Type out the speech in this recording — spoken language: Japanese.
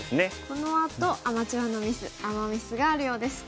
このあとアマチュアのミスアマ・ミスがあるようです。